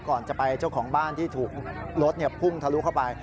ก่อนจะไปเจ้าของบ้านที่ถูกรถพุ่งทะลุเข้าไป